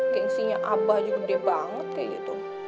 gensinya abah juga gede banget kayak gitu